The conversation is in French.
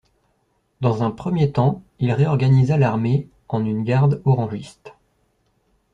Dans un premier temps il réorganisa l'armée en une garde orangiste.